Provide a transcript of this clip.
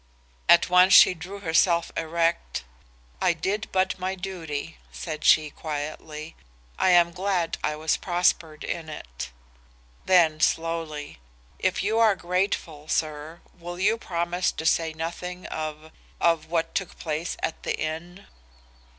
"At once she drew herself erect. 'I did but my duty,' said she quietly. 'I am glad I was prospered in it.' Then slowly. 'If you are grateful, sir, will you promise to say nothing of of what took place at the inn?